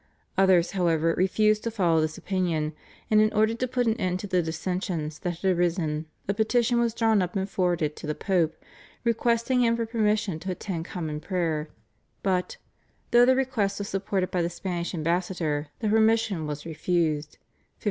Others, however, refused to follow this opinion, and in order to put an end to the dissensions that had arisen a petition was drawn up and forwarded to the Pope requesting him for permission to attend Common Prayer, but, though the request was supported by the Spanish ambassador, the permission was refused (1562).